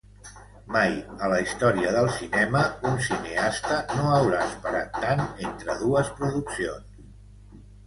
Mai a la història del cinema, un cineasta no haurà esperat tant entre dues produccions.